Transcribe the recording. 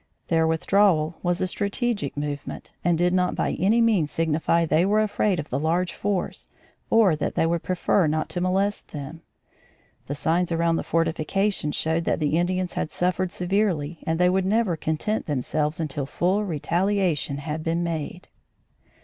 Their withdrawal was a strategic movement, and did not by any means signify they were afraid of the large force or that they would prefer not to molest them. The signs around the fortifications showed that the Indians had suffered severely and they would never content themselves until full retaliation had been made.